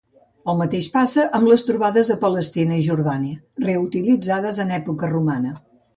El mateix passa amb les trobades a Palestina i Jordània, reutilitzades en època romana.